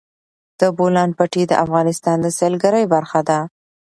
د بولان پټي د افغانستان د سیلګرۍ برخه ده.